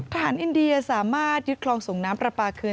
อินเดียสามารถยึดคลองส่งน้ำปลาปลาคืน